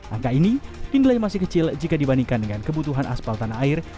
angka ini dinilai masih kecil jika dibandingkan dengan kebutuhan aspal tanah air